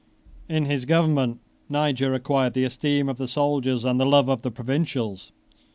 21 In his government Niger acquired the esteem of the soldiers and the love of the provincials.